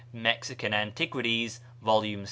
("Mexican Antiquities," vol. vi.